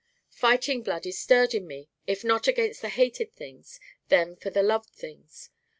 Fighting blood is stirred in me if not against the hated things then for the loved things.